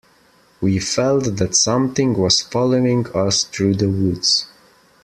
We felt that something was following us through the woods.